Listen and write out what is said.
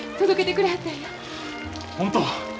本当？